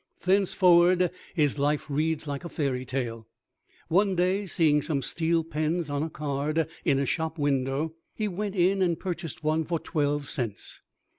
Thenceforward his life reads like a fairy tale. One day, seeing some steel pens on a card, in a shop window, he went in and purchased one for twelve cents.